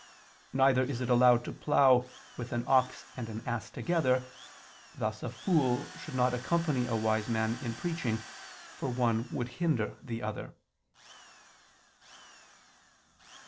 Neither is it allowed to plough "with an ox and an ass together"; thus a fool should not accompany a wise man in preaching, for one would hinder the other.